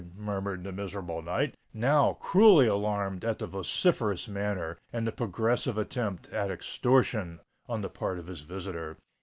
murmured the miserable knight, now cruelly alarmed at the ferocious manner and the progressive attempt at extortion on the part of his visitor.